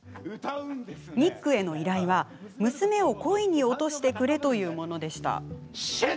ニックへの依頼は娘を恋に落としてくれというものでした。